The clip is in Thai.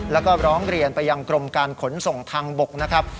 แล้วก็ร้องเรียนไปยังกรมการขนส่งทางบกนะครับ